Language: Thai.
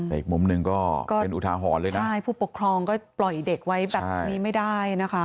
แต่อีกมุมหนึ่งก็เป็นอุทาหรณ์เลยนะใช่ผู้ปกครองก็ปล่อยเด็กไว้แบบนี้ไม่ได้นะคะ